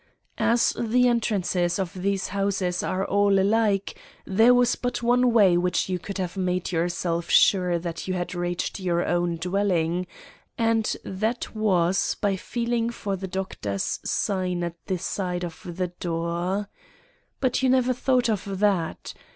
As the entrances of these houses are all alike, there was but one way by which you could have made yourself sure that you had reached your own dwelling, and that was by feeling for the doctor's sign at the side of the door. But you never thought of that.